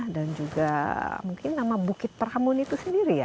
dan juga mungkin nama bukit peramun itu sendiri ya